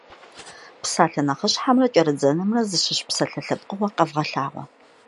Псалъэ нэхъыщхьэмрэ кӏэрыдзэнымрэ зыщыщ псалъэ лъэпкъыгъуэр къэвгъэлъагъуэ.